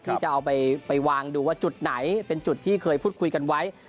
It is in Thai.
ที่จะเอาไปวางดูว่าจุดไหนเป็นจุดที่เคยพูดคุยกันไว้